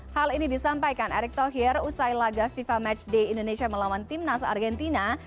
hal ini disampaikan erick thohir usai laga fifa matchday indonesia melawan timnas argentina